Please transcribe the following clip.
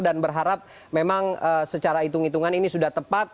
dan berharap memang secara hitung hitungan ini sudah tepat